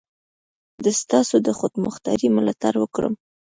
د ستاسو د خودمختاري ملاتړ وکړم.